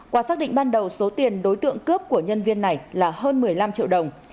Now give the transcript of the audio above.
qua xác định ban đầu số tiền đối tượng cướp của nhân viên này là hơn một mươi năm triệu đồng